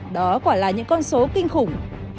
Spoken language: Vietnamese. đó quả là những con số kinh khủng